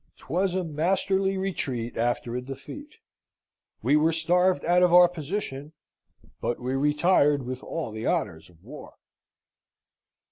'Twas a masterly retreat after a defeat. We were starved out of our position, but we retired with all the honours of war."